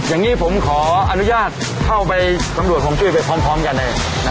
อย่างนี้ผมขออนุญาตเข้าไปสำรวจผมช่วยไปพร้อมกันได้